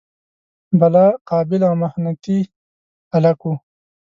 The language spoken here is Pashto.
بلا قابل او محنتي هلک و.